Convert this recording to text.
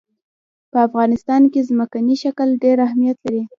په افغانستان کې ځمکنی شکل ډېر اهمیت لري.